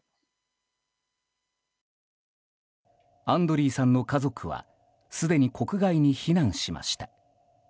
アンドリーさんの家族はすでに国外に避難しました。